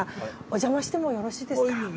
おじゃましてもよろしいですか？